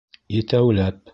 Етәүләп